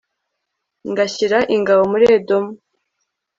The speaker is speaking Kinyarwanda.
Ng ashyira ingabo muri Edomu